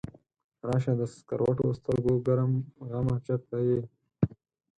راشه د سکروټو سترګو ګرم غمه چرته یې؟